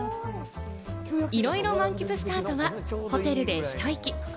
いろいろ満喫した後はホテルでひと息。